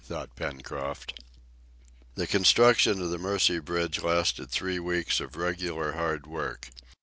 thought Pencroft. The construction of the Mercy bridge lasted three weeks of regular hard work.